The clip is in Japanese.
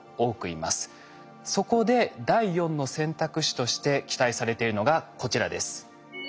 そこで第４の選択肢として期待されているのがこちらです。